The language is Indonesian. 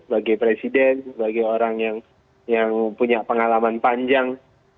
sebagai presiden sebagai orang yang punya pengalaman panjang